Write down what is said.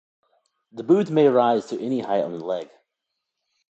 The boots may rise to any height on the leg.